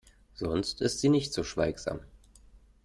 Sonst ist sie nicht so schweigsam.